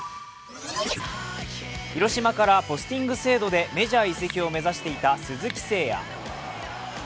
広島からポスティング制度でメジャー移籍を目指していた鈴木誠也。